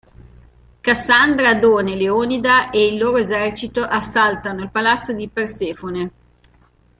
Kassandra, Adone, Leonida e il loro esercito assaltano il palazzo di Persefone.